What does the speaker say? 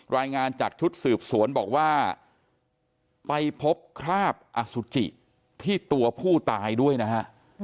รายงานจากชุดสืบสวนบอกว่าไปพบคราบอสุจิที่ตัวผู้ตายด้วยนะฮะ